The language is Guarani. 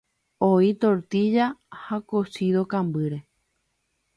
Oĩ tortilla ha cocido kambýre.